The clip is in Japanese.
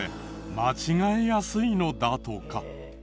間違えやすいのだとか。